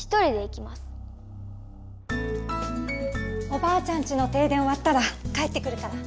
おばあちゃんちの停電おわったら帰ってくるから。